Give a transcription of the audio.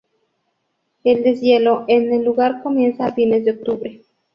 El deshielo en el lugar comienza a fines de octubre.